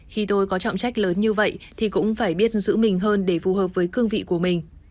khi tôi có trọng trách lớn như vậy thì cũng phải biết giữ mình hơn để phù hợp với cương vị của mình